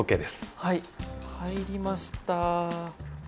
はい入りました。